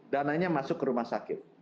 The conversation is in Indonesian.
dananya masuk ke rumah sakit